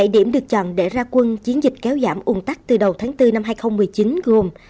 bảy điểm được chọn để ra quân chiến dịch kéo giảm ung tắc từ đầu tháng bốn năm hai nghìn một mươi chín gồm